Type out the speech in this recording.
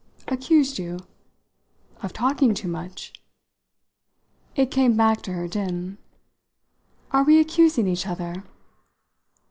"Accused you?" "Of talking too much." It came back to her dim. "Are we accusing each other?"